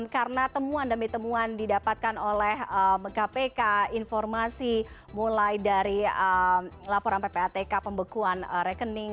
karena temuan demi temuan didapatkan oleh kpk informasi mulai dari laporan ppatk pembekuan rekening